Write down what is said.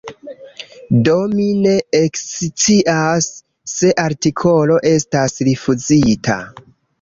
Do mi ne ekscias, se artikolo estas rifuzita.